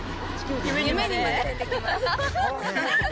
夢にまで出てきます。